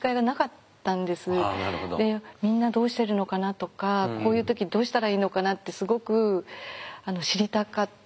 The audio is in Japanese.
みんなどうしてるのかなとかこういう時どうしたらいいのかなってすごく知りたかったので。